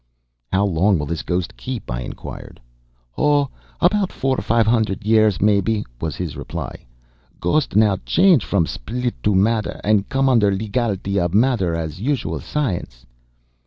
"How long will this ghost keep?" I inquired. "Oh, about four, five hundled years, maybe," was his reply. "Ghost now change from spilit to matter, and comes under legality of matter as usual science."